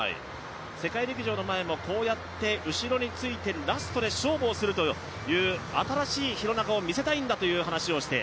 世界陸上の前もこうやって後ろについてラストで勝負するという新しい廣中を見せたいんだという話をして。